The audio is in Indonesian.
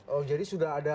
oh jadi sudah ada